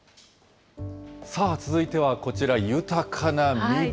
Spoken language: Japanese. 続いてはこちら、豊かな緑。